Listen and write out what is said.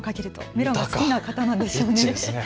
メロンが好きな方なんですかね。